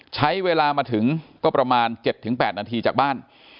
ใช้เวลามาถึงก็ประมาณ๗๘นาทีจากบ้าน